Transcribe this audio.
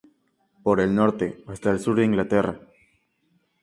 Por el norte hasta el sur de Inglaterra.